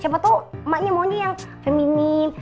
siapa tau emaknya maunya yang feminim